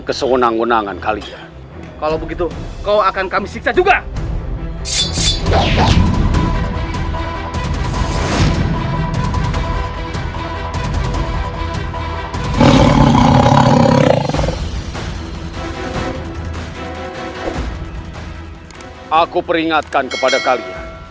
kesenangan kalian kalau begitu kau akan kami siksa juga aku peringatkan kepada kalian